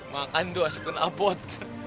makan dua sepen apot